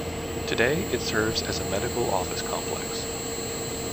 Today it serves as a medical office complex.